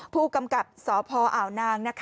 ผู้กำกับสพอ่าวนาง